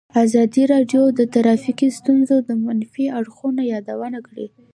ازادي راډیو د ټرافیکي ستونزې د منفي اړخونو یادونه کړې.